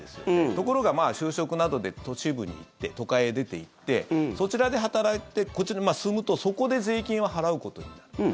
ところが就職などで都市部に行って都会へ出ていってそちらで働いてこちらに住むとそこで税金を払うことになる。